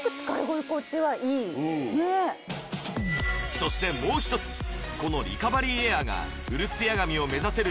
そしてもう一つこのリカバリーエアーがうるツヤ髪を目指せる